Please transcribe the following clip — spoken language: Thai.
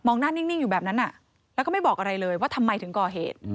หน้านิ่งอยู่แบบนั้นแล้วก็ไม่บอกอะไรเลยว่าทำไมถึงก่อเหตุ